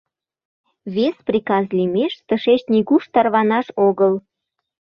— Вес приказ лиймеш тышеч нигуш тарванаш огыл.